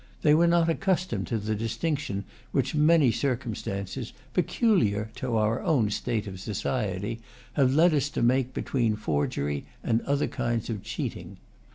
They were not accustomed to the distinction which many circumstances, peculiar to our own state of society, have led us to make between forgery and other kinds of cheating.